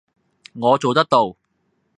我做得到!